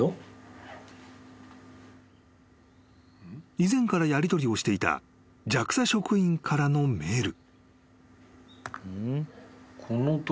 ［以前からやりとりをしていたＪＡＸＡ職員からのメール］